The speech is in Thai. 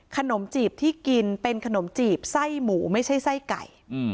ขนมจีบที่กินเป็นขนมจีบไส้หมูไม่ใช่ไส้ไก่